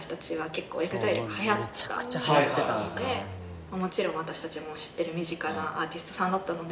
結構ＥＸＩＬＥが流行っていたのでもちろん私たちも知っている身近なアーティストさんだったので。